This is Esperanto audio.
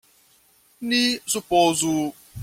Ni supozu!